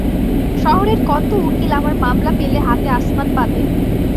শহরের কত উকিল আমার মামলা পেলে হাতে আসমান পাবে।